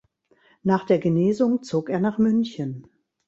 Nach der Genesung zog er nach München.